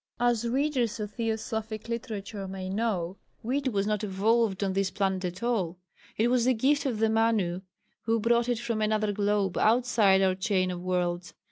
As readers of Theosophic literature may know, wheat was not evolved on this planet at all. It was the gift of the Manu who brought it from another globe outside our chain of worlds.